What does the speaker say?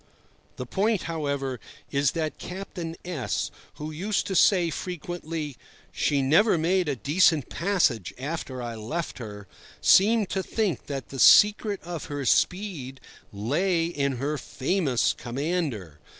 The point, however, is that Captain S—, who used to say frequently, "She never made a decent passage after I left her," seemed to think that the secret of her speed lay in her famous commander.